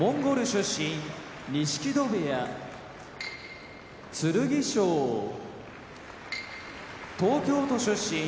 出身錦戸部屋剣翔東京都出身